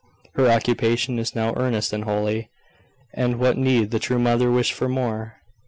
Her occupation is now earnest and holy; and what need the true mother wish for more?